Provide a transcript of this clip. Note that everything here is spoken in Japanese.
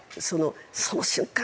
その瞬間